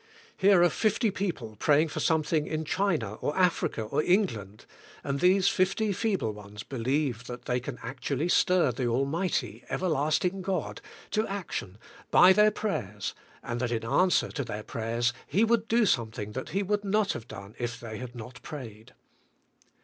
Here are 50 people praying for something in China, or Africa, or E)ng 100 THE SPIRITUAI, I.IFE:. land, and these 50 feeble ones believe that they can actually stir the Almig hty, Bverlasting God to ac tion by their prayers and that in answer to their prayers He would do something that He would not have done if they had not prayed.